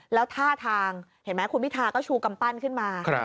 แล้วท่าทางเห็นไหมคุณพิทาก็ชูกำปั้นขึ้นมา